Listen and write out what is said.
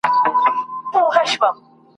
سوال یې وکړ له یو چا چي څه کیسه ده !.